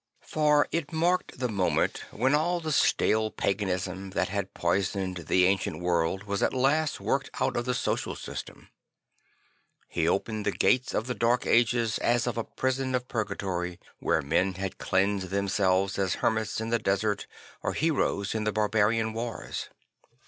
For it marked the moment when all the stale paganism that had poisoned the ancient world was at last worked out of the social system. He opened the gates of the Dark Ages as of a prison of purgatory, where men had cleansed themselves as hermits in the desert or heroes in the barbarian wars.